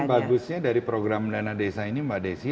bagusnya dari program dana desa ini mbak desi